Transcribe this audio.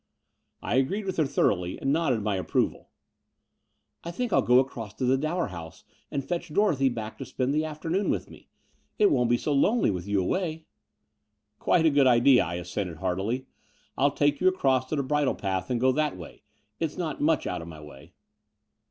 I agreed with her thoroughly, and nodded my approval. '*I think 111 go across to the Dower House and fetch Dorothy back to spend the afternoon with me. It won't be so lonely with you away." Quite a good idea," I assented heartily. "I'll take you across to the bridle path and go that way. It's not much out of my way."